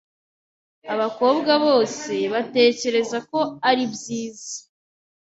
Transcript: Abakobwa bose batekereza ko ari byiza.